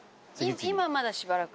今はまだしばらく。